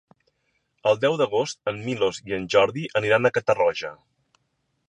El deu d'agost en Milos i en Jordi aniran a Catarroja.